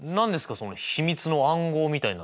その秘密の暗号みたいなのは。